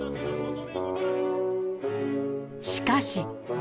しかし。